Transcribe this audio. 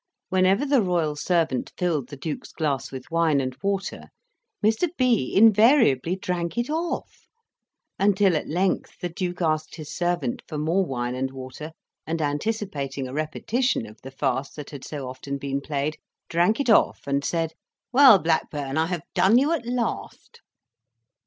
Whenever the royal servant filled the Duke's glass with wine and water, Mr. B. invariably drank it off; until at length, the Duke asked his servant for more wine and water, and anticipating a repetition of the farce that had so often been played, drank it off, and said, "Well, Blackburn, I have done you at last."